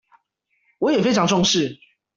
我也非常重視